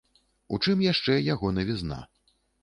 У чым яшчэ яго навізна.